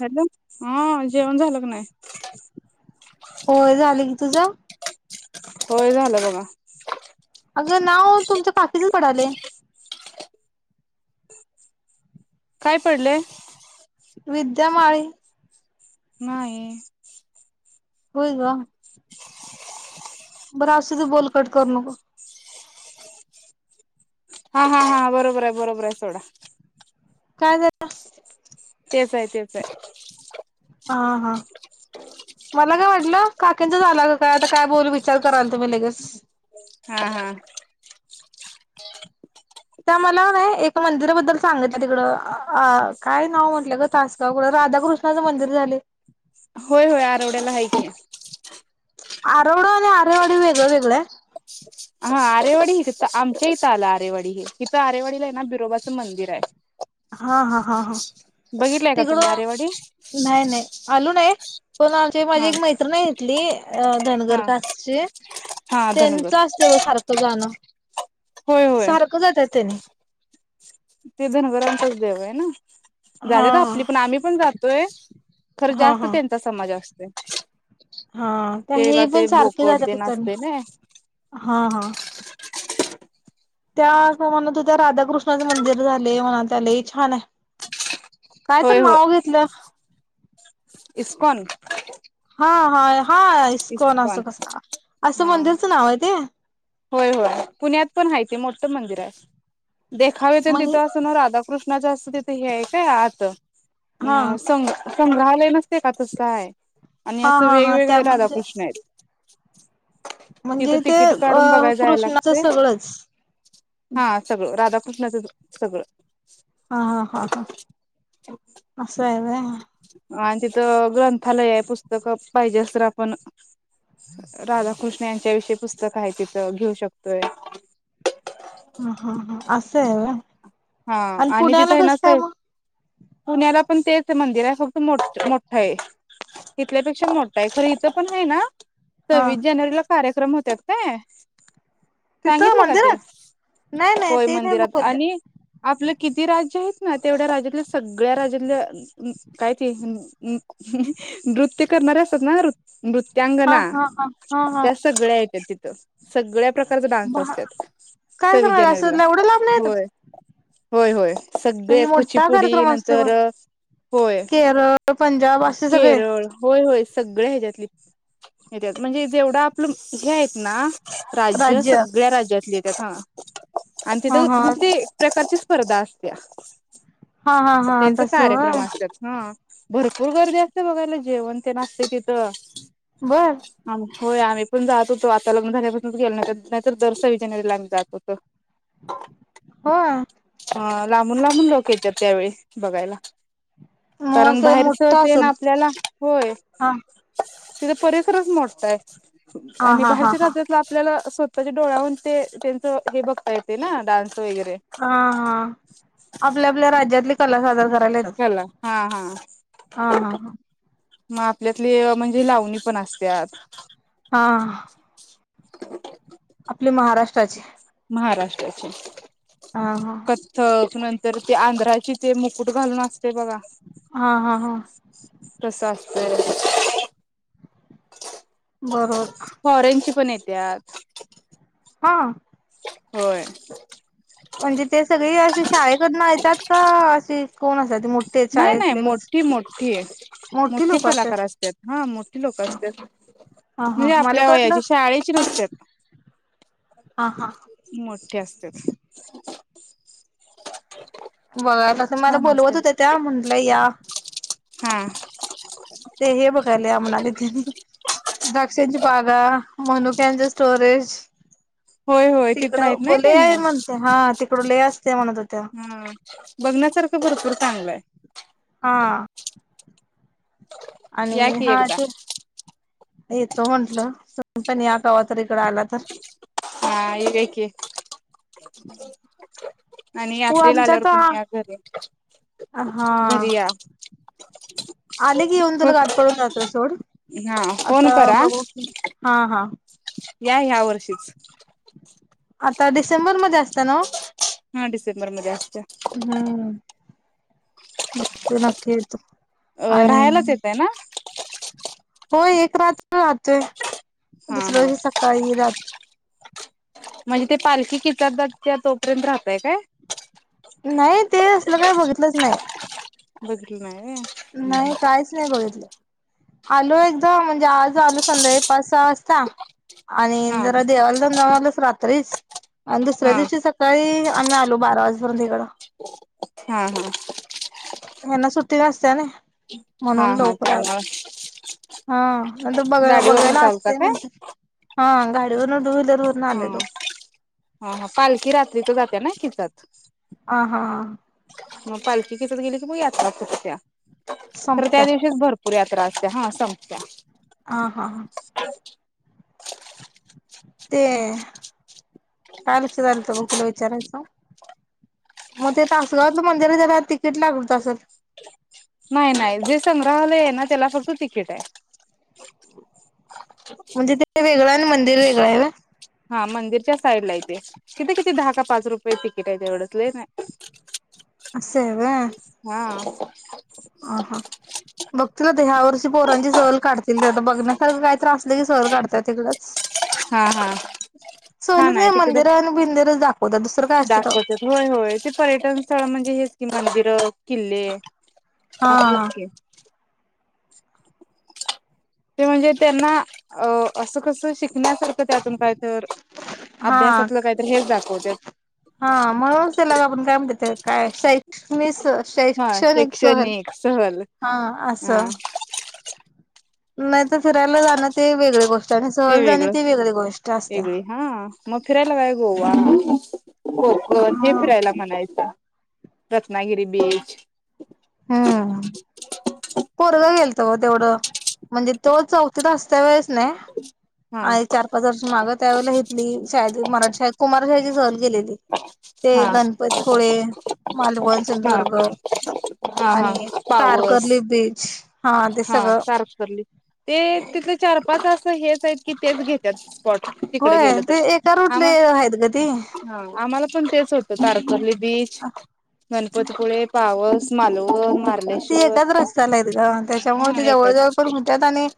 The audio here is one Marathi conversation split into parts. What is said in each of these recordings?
हॅलो आं जेवन झालका नाय? होय झालकी तुझं? होय झालं बगा. अगं नाव तुमच्या काकीच पडालय. काय पडलय? विद्यामाळी. नाही. होय ग बर असु दे बोल कट करु नको. हा हा हा बरोबर हाय बरोबर हाय सोडा काय झालं? तेच हाय तेच हाय. हा हां मला काय वाटलं काकंचा आला का काय आता काय बोल विचार करालतो मी लगेच, हा हां त्या मला नाही एका मंदिराबद्दल सांगितलं तिकडं काय नाव म्हटलं ग तासगावकडं रा राधाकृष्णाचं मंदिर झालय होय होय आरवड्याला आहे की आरवड आणि आरेवाडी वेगळ वेगळं हाय. हा आरेवाडी ह तिथं आमच्या इथं आलं आरेवाडी हित आरेवाडीला आहे ना बिरोबाचं मंदिर हाय. हा हा हा हा का तुम्ही तिकडं आरेवाडी नाही नाही आलो नाही. पण आमची माझी हा एक मैत्रिण हाय तिथली धनगर हा कास्टची. हा त्यांच धनगर असतय बघ सारखं जाणं होय होय सारखं जात्यात तेनी. ते धनगरांचच देव आहे ना, हा जात्यात आपली पण आम्ही पण जातोय. खरं हा जास्त हा त्यांचा समाज असतोय. हा तर हे तेला ते पण सारखे बोकड ते जात्यात उच नाचते ना हा हां त्या काकू म्हनत होत्या राधाकृष्णाचं मंदिर झालय म्हनालत्या लय छान हाय. होय, होय. इस्कॉन हा हा हा इस्कोन इस्कॉन असं कसं आसं हा मंदिरचं नाव हाय ते? होय होय पुण्यात पण आहे ते मोठं मंदिर हाय. देखावे तेन म्हणजे तिथं अस ना राधाकृष्ण च असं तिथे हे हाय काय आत अ हा सं संग्रालय नसते का तसयं आणि हा आसं हा हा त्या वेगवेगळं म्हणजे राधाकृष्ण आहेत. [inaudible] तिथं म्हणजे ते तिकीट अ काढून बघाय जायला कृष्णाचं लागते सगळंच. कृष्णाचं सगळं हा हा हा आसं हाय होय हे आणि तिथं अं ग्रंथालय हाय पुस्तकं पाहिजेस तर आपण राधाकृष्ण यांच्या विषयी पुस्तक आहे तिथं घेऊ शकतोय. हा हा हा असं हाय व्हय. हा आणि तिथं पुण्याला आहे कसं काय नसतय. मग पुण्याला पण तेच मंदिर हाय. फक्त मोठ मोठं आहे. इथल्यापेक्षा मोठं आहे, खर इथं पण आहे ना हा सव्वीस जानेवारीला कार्यक्रम होत्यात काय? तिथं सांगितलं का ते? मंदिरात नाही नाही होय, ते नाही मंदिरात बोलल्या आणि आपलं किती राज्य आहेत ना तेवढ्या राज्यातल्या सगळ्या राज्यातल्या काय ते नृत्य करणारे असतात ना नृत हा त्यांगणा हा हा हा हा त्या सगळ्या येत्यात तिथं सगळ्या प्रकारच डान्स भा असत्यात काय सव्वीस सांगायला जानेवारीला असं एवढं लांब नाही होय येतात होय होय. सगळे म्हणजे मोठा कुचीपुडी कार्यक्रम असतो नंतर, पण होय, केरळ पंजाब असे सगळे केरळ होय होय. सगळ्या ह्याच्यातली येत्यात, म्हणजे जेवढं आपलं हे हाईत ना राज्यं राज्य सगळ्या राज्यातली येत्यात हा आणि हा तिथं हा ते प्रकारची स्पर्धा असत्या. हा हा हा त्यांच तस कार्यक्रम होय असत्यात हां भरपूर गर्दी असते बघायला जेवण ते आसते तिथं. बरं आम होय आम्ही पण जात होतो, आता लग्न झाल्यापासूनच गेलो नाही तर दर सव्वीस जानेवारीला आम्ही जात होतो. [inaudible] वा ह लांबून- लांबून लोक येतात त्यावेळी बघायला. मग कारण असं बाहेरच मोठा ते ना असेल आपल्याला होय. हा तिथ परिसरच मोठ आहे हा आणि हा हा बाहेरच्या हा राज्यात आपल्याला स्वः त्याच्या डोळ्याहून ते त्यांचं हे बघता येते ना डान्स वगैरे. हां हा आपल्या आपल्या राज्यातली कला सादर कर हा ना हा हा हा हा हा मग आपल्यातले म्हणजे लावणी पण असत्यात. हां आपले महाराष्ट्राचे. महाराष्ट्राचे हा कथक तर ते आंध्राची ते मुकुट घालून असते बघा हा हा हा तस अस हम् [inaudible] बरोबर फॉरेनची पण येत्यात. हां होय म्हणजे ते सगळे अशी शाळेकडनं येतात का असे कोण असात नाही- नाही मोठी -मोठी मोठी लोक असतात कलाकार असत हा मोठी लोक असतात. हा हा म्हणजे मला आपल्या कटलं वयाची शाळेची नसतात. मोठे असत्यात. बघा तस मला छान बोलवत होत त्या म्हंटलं या. हम्म ते हे बघायले म्हणालेत. द्राक्षाच्या बागा मनुक्यांचा स्टोरेज. होय होय तिथं तिकडं आहेत ना गेले त्याने आहे म्हणते हा तिकड लय अस हा बघण्यासारखं भरपूर चांगलंय हा आणि की हा एकदा ते येतो म्हंटलं. तुम्ही पण या कावा तर इकड आला तर. ह [inaudible] आणि हो यात्रेला आमच्या आल्यावर कोणी या तर घरी- हा घरी या. आले की येऊन तुला फक्त गाठ पडून जातो सोड हा फोन आता करा बघू की हां हां या ह्या वर्षीच. आता डिसेंबरमध्ये असते नवं? हा डिसेंबर मध्ये असते. हम्म, मग बगतो नक्की येतो. अ, आणि राहायलाच येताय ना? हो, एक रात्र राहतोय. हा दुसऱ्या हा दिवशी सकाळी जातो. म्हणजे ते पालखी किचारदच्या तोपर्यंत राहतय काय? नाही, ते असलं काय बघितलंच नाही. बघितलं नाही. नाही, व्हय काहीच नाही बघितलं. आलो एकदा, म्हणजे आज आलो संध्याकाळी पाच सहा वाजता आणि हा जरा देवाला जाऊ जमालंस रात्रीच. आणि दुसऱ्या हा दिवशी सकाळी आम्ही आलो बारा वाजेपर्यंत इकडं. हा हा हेन्ना सुट्टी असते. चला म्हणून हा हा लवकरात. त्यामुळे हा, नंतर बघ गाडीवरून बघायला चालता असते, काय म्हण हा गाडीवरून टू व्हीलर. वरून हा, आलेलो हा, हा. पालखी रात्री तर जाते ना किचत ह, हा, हा. मग पालखी कथत गेली तर, मग यात्रा फूटत्या तर संपत्या त्या दिवशीच भरपूर यात्रा असतीय. हा संपत्या हा, हा. हा. ते काय लक्षात आलंत, बघ तुला विचारायचं? मग ते तासगावातलं मंदिर आहे, त्याला तिकीट लागत असल? नाही, नाही. जे संग्रहालय आहे ना, त्याला फक्त तिकीट आहे. म्हणजे ते वेगळं आणि मंदिर वेगळं आहे होय? हा, मंदिरच्या साईडला ते तिथे किती, दहा का पाच रुपये तिकिट आहे. एवढंच लय नाही [unintelligible] असं हा. अ, हा. बघतील ते. ह्या वर्षी पोरांची सहल काढतील ते. आता बघण्यासारखं काही असले की, सहल काढताय तिकडंच हा हा सहलीत काय मंदिर आणि बिंदीर दा दाखवत्यात. होय, होय. ते पर्यटन स्थळ, म्हणजे हेच की मंदि र. किल्ले असलंच हा की ते म्हणजे त्यांना असं कसं शिक शिकण्यासारखं, त्यातून काहीतर हा अभ्यासातलं काहीतरी, हेच दाखवतात. हा, म्हणूनच त्याला आपण काय म्हणत्यात ते काय, शैक्षणिस हा शैक्षणिक सहल शैक्षणिक सहल हा. असं म [unintelligible] नंतर फिरायला जाणं, ते वेगळी गोष्ट आणि ते सहल जाणे, वेगळं ती वेगळी गोष्ट असत्या. गवा [inaudible] कोकण हे हा. फिरायला म्हणायचा, रत्नागिरी बीच हम्म, पोरगं गेलं त तेवढं म्हणजे तो चौथीत असत्यावेळेस नाही, हा आणि चार पाच वर्ष मा माग त्यावेळेला येथली शाळेतली मराठीत शाळेत कुमारशाळेची सहल गेलेली होती. ते हा गणपतीपुळे, मालवण, हा सिंधुदुर्ग हा हा आणि पावस तारकर्ली बीच ते हा, सगळं तारकर्ली. ते तिथले चार पाच, असं हेच आहेत की तेच घेत्यात. त तिकडे होय गेल तर, ते एका रूटले आम्हा. आहेत ग ते हा, आम्हाला पण तेच होतं, तारकर्ली बीच, गणपतीपुळे, पावस मालवण, ती मारलेश्वर एकाच रस्त्याला आहेत ग त्याच्यामुळे ते जवळ जवळ पण होत्यात, आणि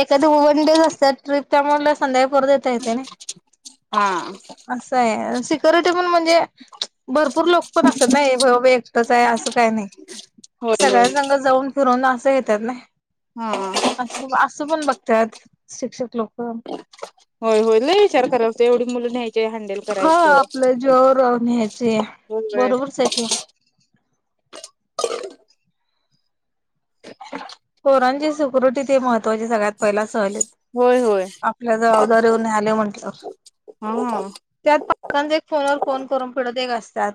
एखादी वन डेज असत्यात ट्रीपा मारल्या, संध्याकाळी करून येत्या येत्यानी. [unintelligible] हा. असं आहे सिक्युरिटी पण म्हणजे भरपूर लोक पण असतात ना नाही होय बाबा एकटंच आहे असं काही नाही होय होय सगळ्यांसग जाऊन फिरवून असं येतात ना हा असं असं पण बघतात शिक्षक लोक होय होय लय विचार करायत एवढी मुलं न्यायची ते हँडल हा करायचं आपलं जीवावर राहून न्यायचे होय. बरोबरच आहे की पोरांची सिक्युरिटी ते महत्वाची सगळ्यात पहिला सहलीत होय होय आपल्या जबाबदारीवर न्यायालयलो म्हटल्यावर हा त्यात पक्कांचा एक फोनवर फोन करून फिडत एक असतात.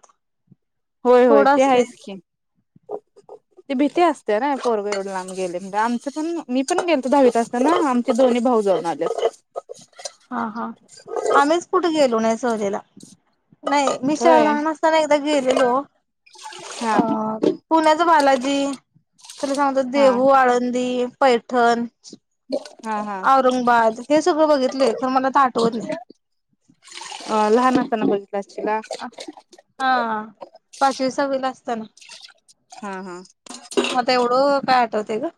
होय होय ते थोडासे आहेच की ते भीती असतें ना पोरगं एवढे लांब गेले म्हणे आमचं पण मी पण गेलो दहावीत असतं ना आमचे दोन्ही भावजया [unintelligible] हा हा आम्हीच कुठे गेलो नाही सहलीला. नाही मी शा होय लहान असताना एकदा गेलेलो हा अ पुण्याच बालाजी तुला सांगतो. हा देहू आळंदी पैठण हा हा औरंगाबाद हे सगळं बघितलंय खर मला तर आठवत नाही. अ लहान असताना बघित. अ हा पाचवी सहावी ला असताना. हा हा मग आता एवढं काय आठवतय गं.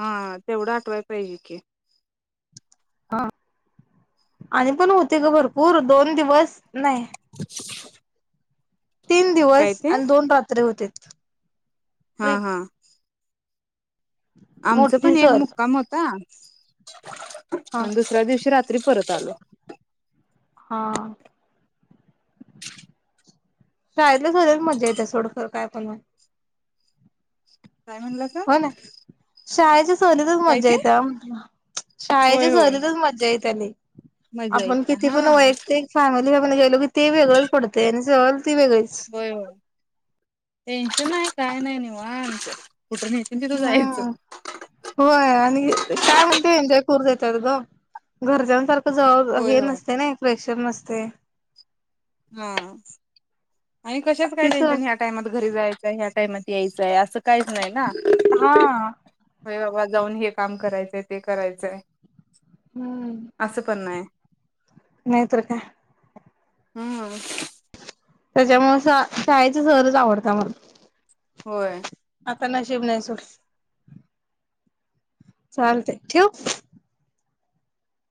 हा तेवढं आठवायला पाहिजे की. हा आणि पण होते ग भरपूर दोन दिवस नाही. [inaudible] तीन काय दिवस ते आणि दोन रात्री होतीत. हा -हा. आमचा मोठी पण एक सहल. मुक्काम होता. हा आणि दुसऱ्या दिवशी रात्री परत आलो. हा. शाळेतल्या सहलीला मज्जा येते सोड खरं काय पण म्हण. हो ना [unintelligible] शाळेच्या सवलीतच काय मज्जा ते येत्या म्हणलं. शाळेच्या होय होय सहलीतच मज्जा येत्या लयी आणि मजा आपण येत्या किती हा पण वैयक्तिक फॅमिली आपण गेलो. की ते वेगळच पडताय आणि सहल ती वेगळीच. होय होय टेन्शन नाही काय नाही निवांत. कुठं नेतील तिथं हा जायचं होय आणि काय म्हणते एन्जॉय करू देतात ग घरच्यांसारखं जव होय हे होय नसते ना फ्रेश. नसतंय. हा आणि कशाच काय तिस टेन्शन ह्या टाइमात घरी जायच. ह्या टाईमात यायचंय असं काहीच नाही ना. हा. होय बाबा जाऊन हे काम करायचंय ते करायचंय, असं पण नाही. नाही तर काय. हम्म. त्याच्यामुळे शाळेचा सहलच आवडत्या मला. होय. आता नशिब नाही सोड. चालतंय ठेवु?